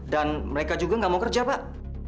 dan mereka juga gak mau kerja pak